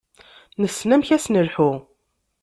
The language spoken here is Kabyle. Nessen amek ara s-nelḥu.